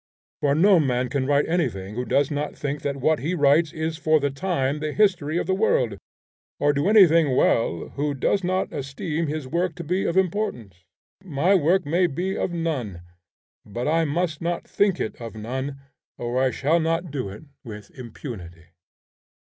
For no man can write anything who does not think that what he writes is for the time the history of the world; or do anything well who does not esteem his work to be of importance. My work may be of none, but I must not think it of none, or I shall not do it with impunity.